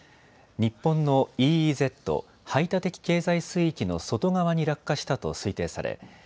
日本のＥＥＺ・排他的経済水域の外側に落下したと推定され